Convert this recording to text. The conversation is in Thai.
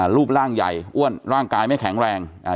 รูปร่างใหญ่อ้วนร่างกายไม่แข็งแรง